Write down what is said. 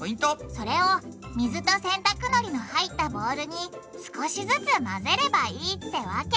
それを水と洗濯のりの入ったボウルに少しずつ混ぜればいいってわけ！